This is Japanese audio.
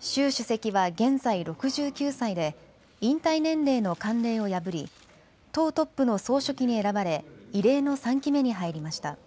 習主席は現在６９歳で引退年齢の慣例を破り党トップの総書記に選ばれ異例の３期目に入りました。